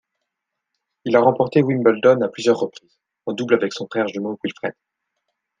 Il a remporté Wimbledon à plusieurs reprises, en double avec son frère jumeau Wilfred.